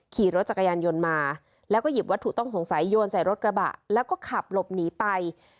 ขี่รถจักรยานยนต์มาแล้วก็หยิบวัตถุต้องสงสัยโยนใส่รถกระบะแล้วก็ขับหลบหนีไป